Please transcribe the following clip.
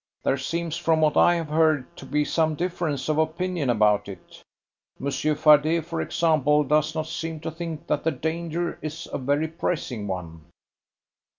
"There seems from what I have heard to be some difference of opinion about it. Monsieur Fardet, for example, does not seem to think that the danger is a very pressing one."